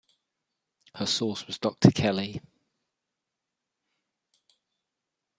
Her source was Doctor Kelly.